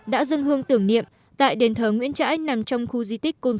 đã dân hương tưởng niệm tại đền thờ nguyễn trãi nằm trong khu di tích côn